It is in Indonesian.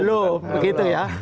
belum begitu ya